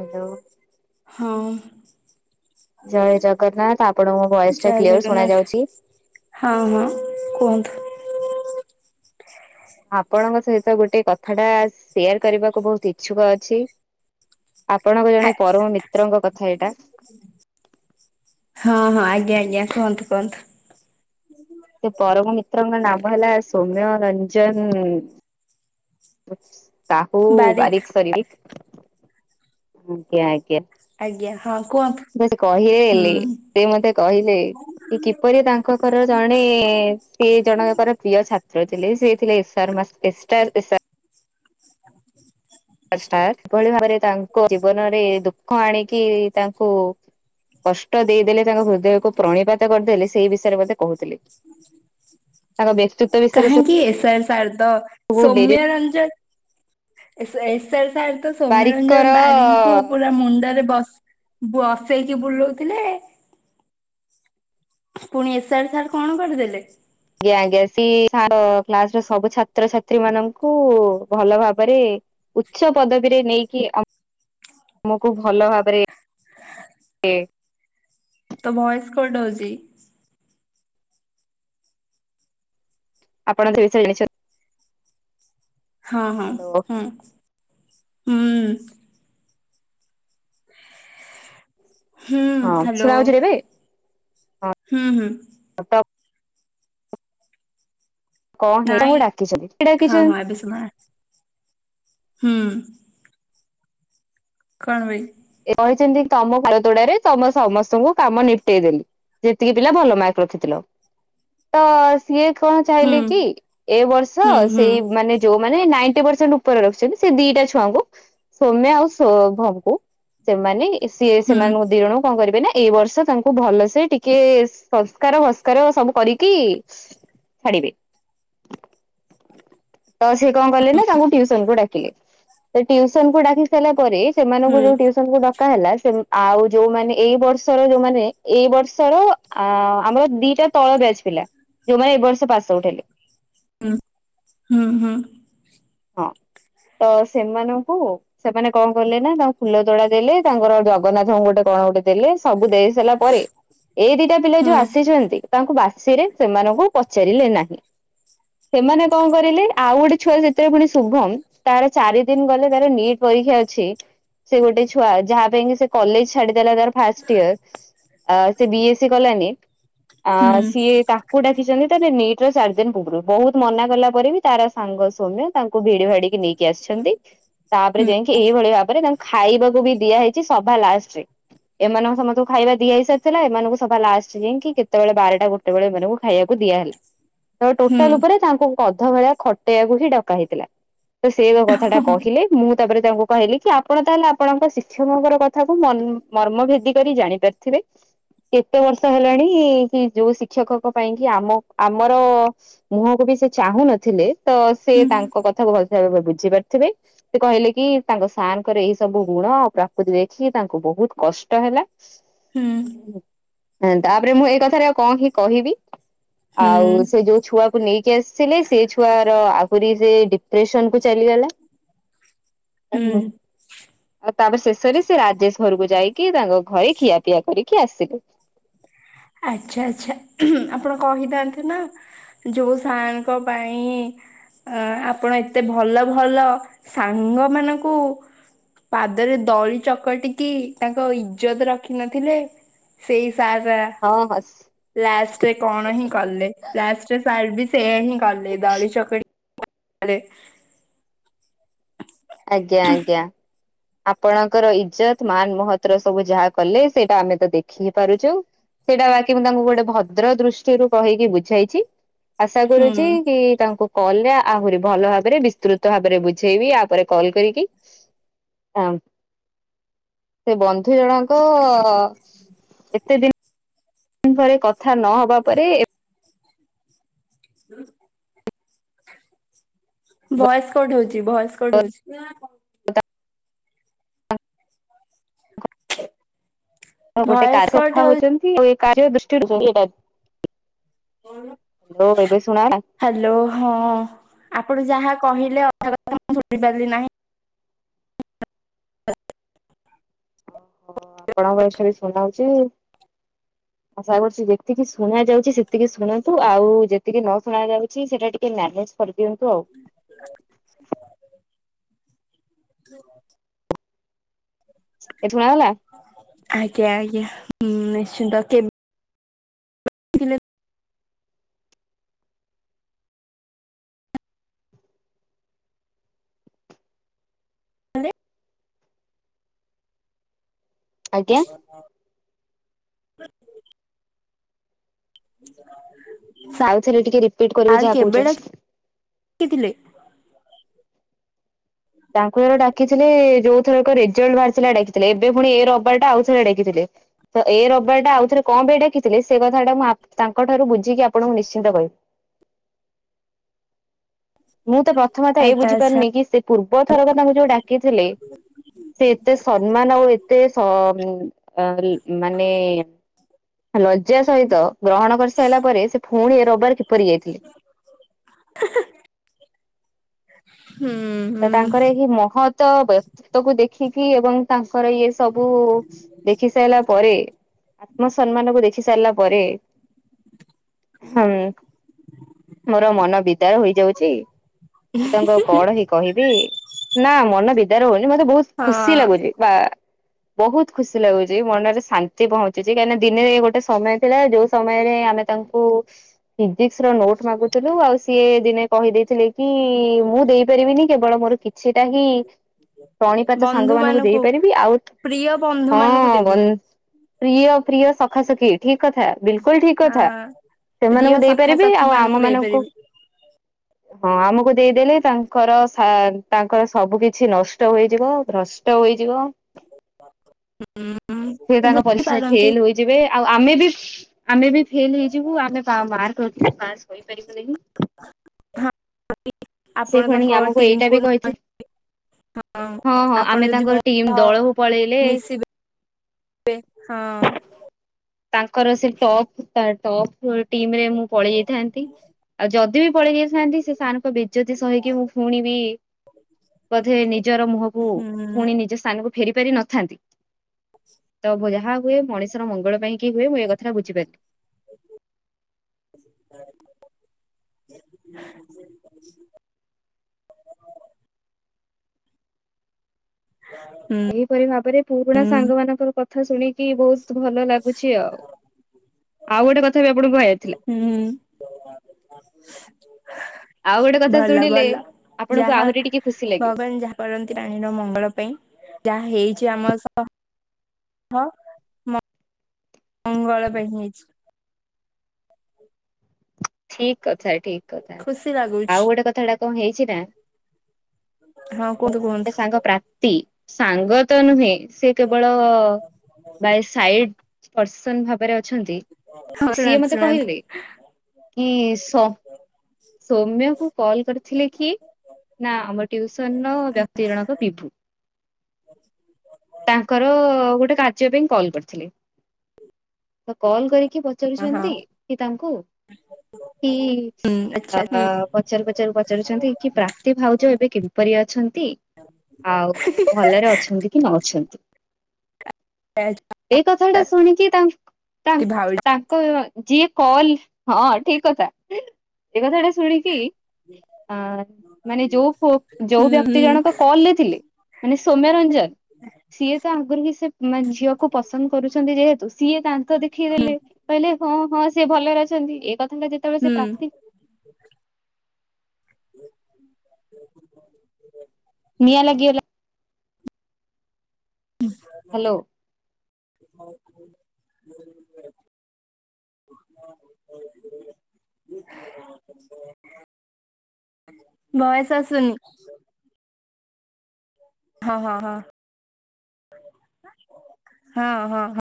Hello. ହଁ। ଜୟ ଜଗନ୍ନାଥ ଆପଣଙ୍କ ଭଏସ ଟା ଜୟ କ୍ଲିୟର ଶୁଣ ଜଗନ୍ନାଥ ଯାଉଛି। ହଁ ହଁ କୁହନ୍ତୁ। ଆପଣଙ୍କ ସହିତ ଗୋଟେ କଥା ଟା ସେୟାର କରିବାକୁ ବହୁତ ଇଚ୍ଛୁକ ଅଛି। ଆପଣଙ୍କ ଆ ଜଣେ ପରମ ମିତ୍ରଙ୍କ କଥା ଏଇଟା ହଁ ହଁ ଆଜ୍ଞା ଆଜ୍ଞା କୁହନ୍ତୁ କୁହନ୍ତୁ। ସେ ପରମ ମିତ୍ରଙ୍କ ନାମ ହେଲା ସୌମ୍ୟ ରଞ୍ଜନ। କହୁ ବାରିକ ବାରିିକ ସାରିକ ଆଜ୍ଞା ଆଜ୍ଞା। ଆଜ୍ଞା ହଁ କୁହନ୍ତୁ। ସେ କହିଲେ ହୁଁ ସେ ମତେ କହିଲେ କି କିପରି ତାଙ୍କ ଘର ଜଣେ ସେ ଜଣଙ୍କର ପ୍ରିୟ ଛାତ୍ର ଥିଲେ ସେ ଥିଲେ ଏସ [inaudible] [unintelligible] ଭାବରେ ତାଙ୍କ ଜୀବନରେ ଦୁଃଖ ଆଣିକି ତାଙ୍କୁ କଷ୍ଟ ଦେଇଦେଲେ ତାଙ୍କ ହୃଦୟକୁ ପ୍ର [unintelligible] କରିଦେଲେ ସେଇ ବିଷୟରେ ମତେ କହୁଥିଲେ ତାଙ୍କ ବ୍ୟତି କାହିଁକି [unintelligible] ଶାରଦ ସବୁ ଡେରି ସୌମ୍ୟ ରଞ୍ଜନ ଏସର ସାର୍ ତ ବାରିକର ସୋମ୍ୟରଞ୍ଜନ ବାରିଙ୍କୁ ପୁରା ମୁଣ୍ଡରେ ବସ୍ ବସେଇକି ବୁଲଉଥିଲେ। ପୁଣି ଏସ୍ ଆର ସାର୍ କଣ କରିଦେଲେ? ଆଜ୍ଞା ଆଜ୍ଞା ସି କ୍ଲାସ ର ସବୁ ଛାତ୍ରଛାତ୍ରୀ ମାନଙ୍କୁ ଭଲ ଭାବରେ ଉଚ୍ଚ ପଦବୀରେ ନେଇକି ଅ ତୁମକୁ ଭଲ ଭାବରେ ଦେ ତୋ ଭଏସ କଟ୍ ହଉଛି। ଆପଣ [unintelligible] ହଁ ହଁ ହ୍ୟାଲୋ ହୁଁ ହୁଁ। ହୁଁ ହଁ, ହ୍ୟାଲୋ ଶୁଣାଯାଉଛି ଏବେ? ହଁ ହୁଁ ହୁଁ। [unintelligible] କଣ ହେଇଁ ଡାକିଛନ୍ତି। କିଏ ହଁ ହଁ ଡାକିଛନ୍ତି? ଏବେ ନାଇଁ ହୁଁ। କଣ ବେ। ସେ କହିଛନ୍ତି ତମ ପାତୋଡାରେ ତମେ ସମସ୍ତଙ୍କୁ କାମ ନିପଟେଇଦେଲି। ଯେତିକି ପିଲା ଭଲ ମାର୍କ ରଖିଥିଲ। ତ ସିଏ କଣ ଚାହିଁଲେ କି, ଏ ବର୍ଷ ସେଇ ମାନେ ଯୋଉମାନେ ନାଇଣ୍ଟି ପରସେଣ୍ଟ ଉପରେ ରଖିଛନ୍ତି। ସେ ଦିଟା ଛୁଆଙ୍କୁ ସୌମ୍ୟା ଆଉ ଶୋଭମଙ୍କୁ ସେମାନେ ସିଏ ସେମାନଙ୍କୁ ଦିଇ ଜଣଙ୍କୁ କଣ କରିବେ ନା ଏଇ ବର୍ଷ ତାଙ୍କୁ ଭଲସେ ଟିକେ ସଂସ୍କାର ଭସ୍କାର ସବୁ କରିକି ଛାଡ଼ିବେ। ତ ସେ କଣ କଲେ ନା ତାଙ୍କୁ ଟ୍ୟୁସନକୁ ଡାକିଲେ ସେ ଟିୟୁସନକୁ ଡାକି ସାରିଲା ପରେ ସେମାନଙ୍କୁ ଯୋଉ ଟ୍ୟୁସନକୁ ଡା କା ହେଲା ସେ ଆଉ ଯୋଉମାନେ ଏଇ ବର୍ଷର ଯୋଉମାନେ ଏଇ ବର୍ଷର ଆ ଆମର ଦିଟା ତଳ ବ୍ୟାଜ ପିଲା ଯୋଉମାନେ ଏ ବର୍ଷ ପାସ ଆଉଟ୍ ହେଲେ। ହୁଁ ହୁଁ ହୁଁ। ହଁ ତ ସେମାନଙ୍କୁ ସେମାନେ କଣ କଲେ ନା ତାଙ୍କ ଫୁଲ ତୋଳା ଦେଲେ। ତାଙ୍କର ଜଗନ୍ନାଥଙ୍କୁ ଗୋଟେ କଣ ଗୋଟେ ଦେଲେ ସବୁ ଦେଇ ସିଲା ପରେ ଏଇ ଦିଟା ପିଲା ଯୋଉ ଆସିଛନ୍ତି ତାଙ୍କୁ ବାସିରେ ସେମାନଙ୍କୁ ପଚାରିଲେ ନାହିଁ ସେମାନେ କଣ କରିଲେ ଆଉ ଗୋଟେ ଛୁଆ ଯେତେବେ ପୁଣି ଶୁଭମ, ତାର ଚାରି ଦିନ ଗଲେ ତାର ନିଟ୍ ପରୀକ୍ଷା ଅଛି ସେ ଗୋଟେ ଛୁଆ ଯାହା ପାଇଁ କିି ସେ କଲେଜ ଛାଡିଦେଲା ତର ଫାଷ୍ଟ ୟର୍ ସେ ବି ଏସ୍ ସି କଲାନି ଆ ସିଏ ତା କୁ ଡାକିଛନ୍ତି ତ ନିଟ୍ ର ଚାରି ଦିନ ପୂର୍ବରୁ ବହୁତ ମନା କଲା ପରେ ବି ତାର ସାଙ୍ଗ ସୋମ୍ୟ ତାଙ୍କୁ ଭିଡି ଭାଡିକି ନେଇକି ଆସିଛନ୍ତି। ତାପରେ ଯାଇକି ଏଇଭଳି ଭାବରେ ତା ଖାଇବାକୁ ବି ଦିଆ ହେଇଛି ସଭା ଲାଷ୍ଟରେ। ଏମାନ ସମସ୍ତଙ୍କୁ ଖାଇବା ଦିଆ ହେଇସାରିଥିଲା। ଏମାନଙ୍କୁ ସଭା ଲାଷ୍ଟ। ଯାଇକି କେତେବେଳେ ବାରଟା ଗୋଟେ ସେତେବେଳେ ମାନଙ୍କୁ ଖାଇକୁଆ ହେଲା। ତ ଟୋଟାଲ ଉପରେ ତାଙ୍କୁ ଅଧ ଭେଳିଆ ଖଟେଇବାକୁ ହିଁ ଡକା ହେଇଥିଲା। ତ ସେ କଥାଟା କହିଲେ। ମୁଁ ତାପରେ ତାଙ୍କୁ କହିଲି କି ଆପଣ ତାହେଲେ ଆପଣଙ୍କ ଶିକ୍ଷକଙ୍କର କଥାକୁ ମର୍ମ ଭେଦ କରି ଜାଣି ପାରିଥିବେ। କେତେ ବର୍ଷ ହେଲାଣି କି? ଯୋଉ ଶିକ୍ଷକଙ୍କ ପାଇଁ କି ଆମ ଆମର ମୁହଁକୁ ବି ସେ ଚାହୁଁ ନଥିଲେ। ତ ସେ ତାଙ୍କ କଥାକୁ ଭଲ ଭ ଭରେ ବୁଝି ପାରିଥିବେ। ସେ କହିଲେ କି। ତାଙ୍କ ସାର୍ ଙ୍କର ଏଇ ସବୁ ଗୁଣ ଆଉ ପ୍ରାକୃତି ଦେଖି ତାଙ୍କୁ ବହୁତ କଷ୍ଟ ହେଲା। ତାପରେ ମୁଁ ଏଇ କଥାରେ ଆଉ କଣ କି କହିବି? ଆଉ ହୁଁ ସେ ଯଉ ଛୁଆକୁ ନେଇକି ଆସି ସେନେଇ ସେ ଛୁଆର ଆହୁରି ସେ ଡିପ୍ରେସନ୍ କୁ ଚାଲିଗଲା। [unintelligible] ଆଉ ତାପରେ ଶେଷରେ ସେ ରାଜେଶ୍ ଘରକୁ ଯାଇକି ତାଙ୍କ ଘରେ ଖିଆପିଆ କରିକି ଆସିଲୁ। ଆଚ୍ଛା- ଆଚ୍ଛା ହୁଁ- ଆପଣ କହିଥାନ୍ତେ ନା। ଯଉ ସାଙ୍ଗ ପାଇଁ ଅ- ଆପଣ ଏତେ ଭଲ ଭଲ ସାଙ୍ଗ ମାନଙ୍କୁ ପାଦରେ ଦଳି ଚକଟିକି ତାଙ୍କ ଇଜ୍ଜତ୍ ରଖିନଥିଲେ ସେଇ ସାରା ହଁ- ହଁ-ସ୍। ଲାଷ୍ଟ୍ ରେ କଣ ହିଁ କଲେ ଲାଷ୍ଟ୍ ରେ ସାର୍ ବି ସେମ୍ ହିଁ କଲେ ଦଳିଚକଟି [unintelligible] ଆଜ୍ଞା- ଆଜ୍ଞା। ଆପଣଙ୍କର ଇଜ୍ଜତ୍ ମାନ୍ ମହତର ସବୁ ଯାହା କଲେ ସେଇଟା ଆମେ ତ ଦେଖି ପାରୁଚୁ। ସେଇଟା ବାକି ମୁଁ ତାଙ୍କୁ ଗୋଟେ ଭଦ୍ର ଦୃଷ୍ଟିରୁ କହିକି ବୁଝେଇଚି। ଆଶା ହୁଁ କରୁଚି କି ତାଙ୍କୁ କଲେ ଆହୁରି ଭଲ ଭାବେରେ ବିସ୍ତୃତ ଭାବେରେ ବୁଝେଇବି ଆ ପରେ କଲ୍ କରିକି। ଆଁଉ -ସେ ବନ୍ଧୁ ଜଣଙ୍କ ଏତେ ଦିନ୍ ଏତେ ଦିନ୍ ପରେ କଥା ନହବା ପରେ ଏ ହ ଭଏସ୍ କଟ୍ ହଉଚି ଭଏସ୍ କଟ୍ ହଉଚି। ଗୋଟେ ଭଏସ କାର୍ୟ କଟ କଥା ହଉ ହଉଚନ୍ତି ଆ ଏ କାର୍ୟ ଦୃଷ୍ଟିରୁ [unintelligible] ଲୋ ବେବି ଶୁଣାଅନା। ହାଲୋ ହଁ ଆପଣ ଯାହା କହିଲେ ଅଧା କଥା ମୁଁ ବୁଝିପାରିଲି ନାହିଁ। ହଁ-ଆପଣଙ୍କ ଭଏସ୍ ଟା ବି ଶୁଣାଯାଉଚି ଆଶା କରୁଚି ଯେତିକି ଶୁଣା ଯାଉଚି ସେତିକି ଶୁଣନ୍ତୁ ଆଉ ଯେତିକି ନ ଶୁଣା ଯାଉଚି ସେଟା ଟିକେ ମ୍ୟାନେଜ୍ କରିଦିଅନ୍ତୁ ଆଉ। ଏ ଶୁଣାଗଲା ଆଜ୍ଞା -ଆଜ୍ଞା ହୁଁ- ନିଶ୍ଚିନ୍ତ କେବ୍ [inaudible] ଆଜ୍ଞା। [inaudible] ଆଉଥରେ ଟିକେ ରିପିଟ୍ କରିବେ ଯାହା କହୁଚନ୍ କିଥିଲେ। ତାଙ୍କୁ ଥରେ ଡାକିଥିଲେ ଯଉ ଥରକ ରେଜଲ୍ଟ୍ ବାହାରିଥିଲା ଡାକିଥିଲେ ଏବେ ପୁଣି ଏ ରବିବାର୍ ଟା ଆଉ ଥରେ ଡାକିଥିଲେ। ତ ଏ ରବିବାର୍ ଟା ଆଉ ଥରେ କଣ ପାଇଁ ଡାକିଥିଲେ ସେ କଥାଟା ମୁଁ ଆପ୍-ତାଙ୍କ ଠାରୁ ବୁଝିକି ଆପଣଙ୍କୁ ନିଶ୍ଚିନ୍ତ କହିବି। ମୁଁ ତ ପ୍ରଥମେ ତ ଏଇ ଆଚ୍ଛା ଆଚ୍ଛା ବୁଝିପାରୁନି କି ସେ ପୂର୍ବ ଥରକ ତାଙ୍କୁ ଯଉ ଡାକିଥିଲେ ସେ ଏତେ ସମ୍ମାନ ଆଉ ଏତେ ସ-ଉଁ-ଅ- ମାନେ ଲଜ୍ଜା ସହିତ ଗ୍ରହଣ କରିସାରିଲା ପରେ ସେ ଫୁଣି ଏ ରବିବାର୍ କିପରି ଯାଇଥିଲେ। [inaudible] ହୁଁ। ତ ହୁଁ ତାଙ୍କର ଏହି ମହତ ବ୍ୟକ୍ତିତ୍ୱକୁ ଦେଖିକି ଏବଂ ତାଙ୍କର ଇଏ ସବୁ ଦେଖି ସାଇଲା ପରେ ଆତ୍ମସମ୍ମାନ କୁ ଦେଖି ସାରିଲା ପରେ ହଁ ମୋର ମନ ବିଦାର ହୋଇଯାଉଚି ଆଉ ତାଙ୍କ କଣ ହେଇ କହିବି ନାଁ ମନ ବିଦାର ହଉନି ମତେ ବହୁତ ଖୁସି ହଁ ଲାଗୁଚି ବା ବହୁତ ଖୁସି ଲାଗୁଚି ମନରେ ଶାନ୍ତି ପହଞ୍ଚୁଛି କାହିଁକି ନା ଦିନେ ଗୋଟେ ସମୟ ଥିଲା ଯୋଉ ସମୟରେ ଆମେ ତା କୁ ଫିିଜିକ୍ସ୍ ର ନୋଟ୍ ମାଗୁଥୁଲୁ ଆଉ ସିଏ ଦିନେ କହିଦେଇଥିଲେ କି ମୁଁ ଦେଇ ପାରିବିନି କେବଳ ମୋର କିଛିଟା ହିଁ ପାଣିପାତ ବନ୍ଧୁ ସାଙ୍ଗମାନଙ୍କୁ ମାନଙ୍କୁ ଦେଇପାରିବି ଆଉ ପ୍ରିୟ ବନ୍ଧୁ ମାନଙ୍କୁ ହଁ ଦେବି ବନ୍ ପ୍ରିୟ ପ୍ରିୟ ସଖାସଖି ଠିକ୍ କଥା ବିଲକୁଲ ଠିକ୍ କଥା ହଁ ପ୍ରିୟ ସେମାନଙ୍କୁ ଦେଇ ସଖା ପାରିବି ସଖୀ ଆଉ ମାନଙ୍କୁ ଆମମାନଙ୍କୁ ଦେଇପାରିବି ହଁ ଆମୁକୁ ଦେଇଦେଲେ ତା ଙ୍କର ଶା ତାଙ୍କର ସବୁ କିଛି ନଷ୍ଟ ହୋଇଯିବ ଭ୍ରଷ୍ଟ ହୋଇଯିବ। ସିଏ ହୁଁ ତାଙ୍କ ପରିକ୍ଷାରେ ବୁଝିପାରନ୍ତି ଫେଲ୍ ହୋଇ ଯିବେ ଆଉ ଆମେ ବି ଆମେ ବି ଫେଲ୍ ହେଇଯିବୁ ଆମେ ପା ମାର୍କ ରଖିନେ ପାସ୍ କରିପାରିବୁ ନେହିଁ। ହଁ ସେ ଆପଣ ପୁଣି ତାଙ୍କ ଆମୁକୁ ଏଇଟା ଟିମକୁ ବି କହିଥି ହଁ ହଁ ଆପଣ ଆମେ ଯଦି ମୋ ତାଙ୍କର ଟିମ୍ ସହ ଦଳକୁ ପଳେଇଲେ ବେ ହଁ। ତାଙ୍କର ସେ ଟପ୍ ତା ଟପ୍ ୱ ଟିମ୍ ରେ ମୁଁ ପଳେଇ ଯାଇଥାନ୍ତି ଆଉ ଯଦି ବି ପଳେଇ ଯାଇଥାନ୍ତି ସେ ସାର୍ ଙ୍କ ବେ ଜତି ସହିକି ମୁଁ ଫୁଣି ବି ବଧେ ନିଜର ମୁହଁକୁ ହୁଁ ଫୁଣି ନିଜ ସ୍ଥାନକୁ ଫେରି ପାରି ନଥାନ୍ତି ତ ମୁଁ ଯାହାକୁ ହୁଏ ମଣିଷର ମଙ୍ଗଳ ପାଇଁ କି ହୁଏ ମୁଁ ଏ କଥାଟା ବୁଝିପାରି [inaudible] ମୋ ପତି ତୁମେ ଏ [inaudible] ତମେ ବି ଯିବ। [inaudible] ହୁଁ। ଏହିପରି ଭାବରେ ପୁରୁଣା ସାଙ୍ଗମାନଙ୍କର କଥା ଶୁଣିକି ବହୁତ ଭଲ ଲାଗୁଛି ଆଉ। ଆଉ ଗୋଟେ କଥା ବି ଆପଣଙ୍କୁ କହିବାଥିଲା। ହୁଁ। ଆଉ ଗୋଟେ କଥା ଭଲ ଶୁଣିଲେ ଭଲ ଆପଣଙ୍କୁ ଯାହା ଆହୁରି ଟିକେ ଖୁସି ଲାଗିବ ଭଗବାନ ଯାହା କରନ୍ତି ପ୍ରାଣୀର ମଙ୍ଗଳ ପାଇଁ ଯାହା ହେଇଚି ଆମ ସ ହ ମଙ୍ଗଳ ପାଇଁ ହେଇଛି। ଠିକ୍ କଥା ଠିକ୍ କଥା ଖୁସି ଆଉ ଲାଗୁଛି ଗୋଟେ କଥାଟା କଁ ହେଇଛି ନାଁ ହଁ କୁହନ୍ତୁ ମୋର ଆଉ ଗୋଟେ କୁହନ୍ତୁ ସାଙ୍ଗ ପ୍ରାପ୍ତି ସାଙ୍ଗ ତ ନୁହେଁ ସେ କେବଳ ବାଏ ସାଇଡ଼୍ ପର୍ସନ ଭାବରେ ଅ ଛନ୍ତି ହଁ ସିଏ ଶୁଣାନ୍ତୁ ମତେ ଶୁଣାନ୍ତୁ କହିଲେ କି ସ ସୌମ୍ୟକୁ କଲ୍ କରିଥିଲେ କି? ନାଊ ଆମ ଟ୍ୟୁସନ୍ ର ବ୍ୟକ୍ତି ଜଣକ ବିଭୁ। ତାଙ୍କର ଗୋଟେ କା ଚେ ପାଇଁ କଲ୍ କରିଥିଲେ ତ କଲ କରିକି ପ ହଁ ହଁ ପଚାରୁଛନ୍ତି କି ତାଙ୍କୁ କି ହୁଁ ଆଚ୍ଛା ହୁଁ ଅ ପଚାରୁ ପଚାରୁ ପଚାରୁଛନ୍ତି କି ପ୍ରାପ୍ତି ଭାଉଜ ଏବେ କିପରି ଅଛନ୍ତି? ଆଉ ଭଲରେ ଅଛନ୍ତି କି ନ ଅଛନ୍ତି? ଏଇ କଥାଟା ଶୁଣିକି ତାଙ ତାଙ ଭାଉଜ ତା ଙ୍କର ଯିଏ କଲ ହଁ ଠିକ୍ କଥା। ଏ କଥାଟା ଶୁଣିକି ଆ ମାନେ ଯୋଉ ପୁଅ ହୁଁ ଯୋଉ ହୁଁ ବ୍ୟକ୍ତି ଜଣକ କଲ୍ ରେ ଥିଲେ ମାନେ ସୌମ୍ୟରଞ୍ଜନ ସିଏ ତ ଆଗୁରୁ ବି ସେ ମାନେ ଝିଅକୁ ପସନ୍ଦ କରୁଛନ୍ତି ଯେହେତୁ ସିଏ ଦାନ୍ତ ଦେଖେଇଦେଲେ। କହିଲେ ହଁ ହଁ ସେ ଭଲରେ ଅଛନ୍ତି ଏ କଥାଟା ଯେତେବେଳେ ହୁଁ ସେ ପ୍ରାପ୍ତି [inaudible] ନିଆଁ ଲାଗିଗଲା। ହ୍ୟାଲୋ। [inaudible] [inaudible] ଭଏସ ଆସୁନି। ହଁ-ହଁ-ହଁ, ହଁ-ହଁ